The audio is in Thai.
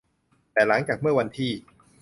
แต่หลังจากเมื่อวันที่